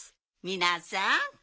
みなさん